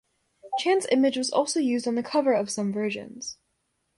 Chan's image was also used on the cover of some versions.